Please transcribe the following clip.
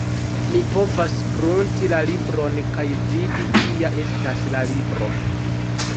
Mi povas prunti la libron kaj vidi kia estas la libro.